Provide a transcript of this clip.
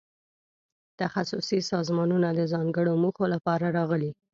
تخصصي سازمانونه د ځانګړو موخو لپاره راغلي.